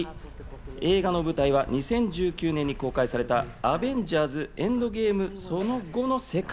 映画の舞台は２０１９年に公開された『アベンジャーズ／エンドゲーム』のその後の世界。